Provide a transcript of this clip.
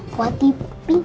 buat di pingkai